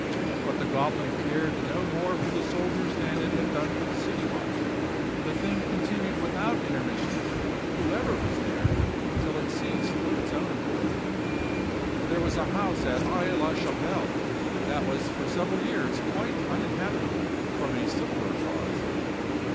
But the goblin cared no more for the soldiers than it had done for the city watch; the thing continued without intermission, whoever was there, till it ceased of its own accord. There was a house at Aix la Chapelle that was for several years quite uninhabitable from a similar cause.